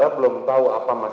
belum tau yang mulia